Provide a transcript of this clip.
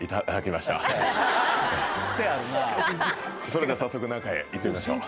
それでは早速中へ行ってみましょう。